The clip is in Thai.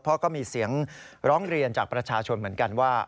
เพราะก็มีเสียงร้องเรียนจากประชาชนเหมือนกันว่า